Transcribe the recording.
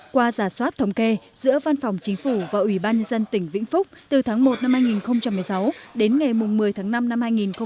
qua giả soát thống kê giữa văn phòng chính phủ và ủy ban nhân dân tỉnh vĩnh phúc từ tháng một năm hai nghìn một mươi sáu đến ngày một mươi tháng năm năm hai nghìn một mươi chín